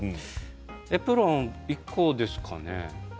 エプロンは１個ですかね。